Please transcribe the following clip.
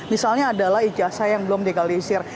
misalnya juga adalah foto yang tidak sesuai dengan kebenaran